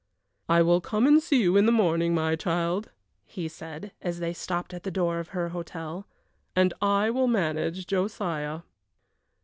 "I will come and see you in the morning, my child," he said, as they stopped at the door of her hotel, "and I will manage Josiah."